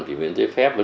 thì miễn giới phép v v